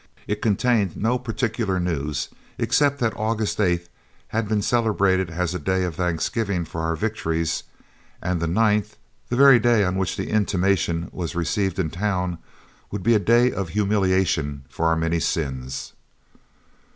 It contained no particular news except that August 8th had been celebrated as a day of thanksgiving for our victories, and the 9th, the very day on which the intimation was received in town, would be a day of humiliation for our many sins.